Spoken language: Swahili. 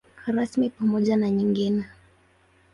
Rasmi pamoja na nyingine.